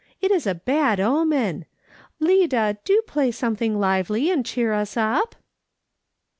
It is a bad omen. Lida, do play something lively and cheer us up